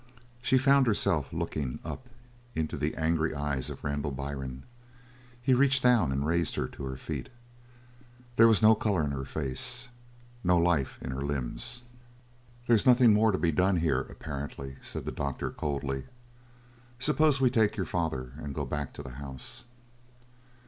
She found herself looking up into the angry eyes of Randall Byrne. He reached down and raised her to her feet; there was no colour in her face, no life in her limbs. "There's nothing more to be done here, apparently," said the doctor coldly. "Suppose we take your father and go back to the house."